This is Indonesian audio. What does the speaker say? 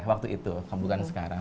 waktu itu bukan sekarang